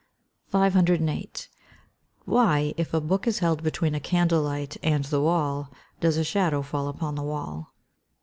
508. _Why, if a book is held between a candle light and the wall, does a shadow fall upon the wall?